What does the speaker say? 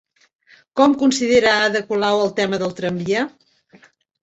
Com considera Ada Colau el tema del tramvia?